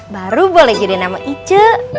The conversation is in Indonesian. baru boleh jadi nama ice